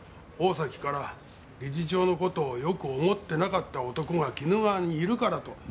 大崎から理事長の事をよく思ってなかった男が鬼怒川にいるからと。